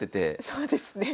そうですね。